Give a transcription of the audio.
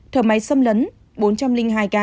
thở máy xâm lấn bốn trăm linh hai ca